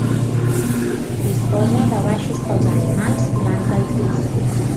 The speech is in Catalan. Disposa de baixos pels animals, planta i pis.